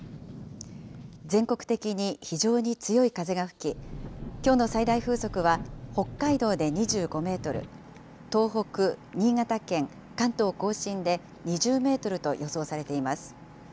全国的に非常に強い風が吹き、きょうの最大風速は北海道で２５メートル、東北、新潟県、関東甲信で２０メートルと予想されています。